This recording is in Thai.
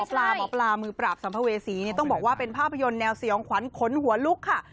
หมอปลาหมอปลามือปราบสัมภเวษีต้องบอกว่าเป็นภาพยนตร์แนวสยองขวัญขนหัวลุกค่ะ